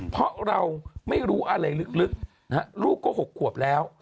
เพราะเราไม่รู้อะไรลึกลูกก็๖ขวบแล้ว